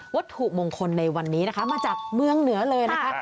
วัตถุมงคลในวันนี้นะคะมาจากเมืองเหนือเลยนะคะ